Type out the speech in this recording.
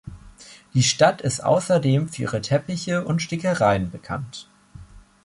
Die Stadt ist außerdem für ihre Teppiche und Stickereien bekannt.